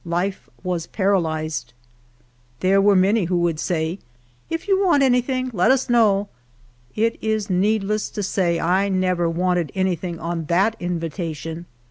Life was paralyzed. There were many who w^ould say, " If you want anything, let us know." It is needless to say I never wanted anything on that invitation.